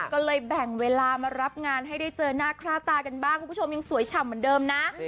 ก็เลยแบ่งเวลามารับงานให้ได้เจอหน้าค่าตากันบ้างคุณผู้ชมยังสวยฉ่ำเหมือนเดิมนะ